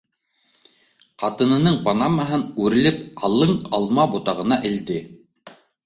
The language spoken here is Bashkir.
Ҡатынының панамаһын үрелеп алың алма ботағына элде